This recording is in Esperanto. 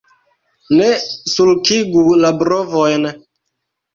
Ne sulkigu la brovojn!